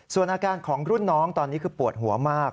ส่วนอาการของรุ่นน้องตอนนี้คือปวดหัวมาก